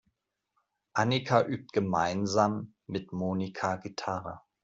Annika übt gemeinsam mit Monika Gitarre.